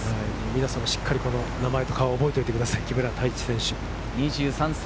皆さん、しっかりとこの名前と顔を覚えておいてください、木村太一選手。